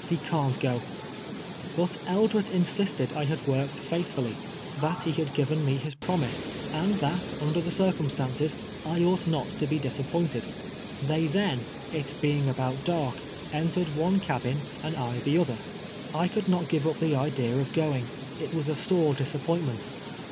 Ho can't go." TKEATMEXT OF TIBEATS. 157 But Eldret insisted I had worked faitlifullv — that lie had giveu me his promise, and that, under the cir cumstances, I ought not to be disajipointed. They then, it being about dark, entered one cabin and I the other. I could not give up the idea of going ; it was a sore disappointment.